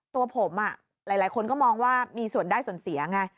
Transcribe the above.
ตัวผมหลายคนก็มองว่ามีส่วนได้ส่วนเสียไง